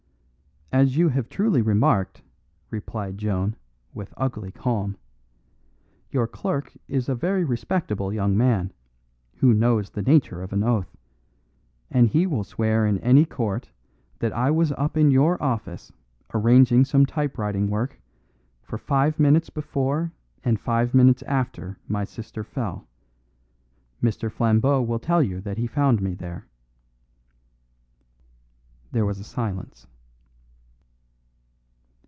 "As you have truly remarked," replied Joan, with ugly calm, "your clerk is a very respectable young man, who knows the nature of an oath; and he will swear in any court that I was up in your office arranging some typewriting work for five minutes before and five minutes after my sister fell. Mr. Flambeau will tell you that he found me there." There was a silence.